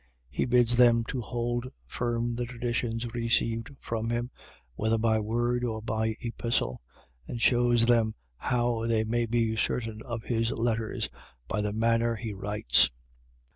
He bids them to hold firm the traditions received from him, whether by word, or by epistle, and shews them how they may be certain of his letters by the manner he writes.